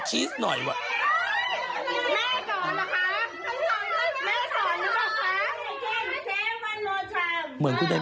เรียกพี่หนุ่มมาทำอะไร